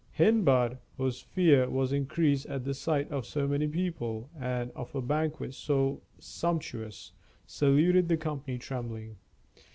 Hindbad, whose fear was increased at the sight of so many people, and of a banquet so sumptuous, saluted the company trembling.